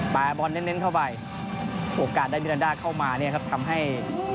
บอลเน้นเข้าไปโอกาสได้มิรันดาเข้ามาเนี่ยครับทำให้